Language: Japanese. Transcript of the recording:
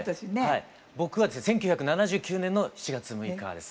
僕は１９７９年の７月６日です。